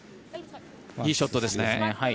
いいショットですね。